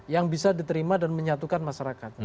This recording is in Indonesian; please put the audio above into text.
yang bisa diterima dan menyatukan masyarakat